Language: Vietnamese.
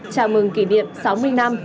chào mừng kỷ niệm sáu mươi năm